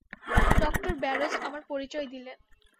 Doctor Burroughs আমার পরিচয় দিলেন।